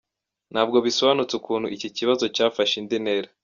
Ntabwo bisobanutse ukuntu iki kibazo cyafashe indi ntera.